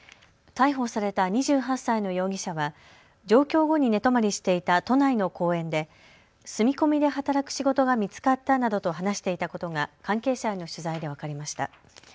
逮捕された２８歳の容疑者は上京後に寝泊まりしていた都内の公園で住み込みで働く仕事が見つかったなどと話していたことが関係者への取材で分かりました。